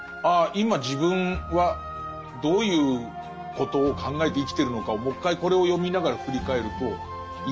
今自分はどういうことを考えて生きてるのかをもう一回これを読みながら振り返るといいかなという。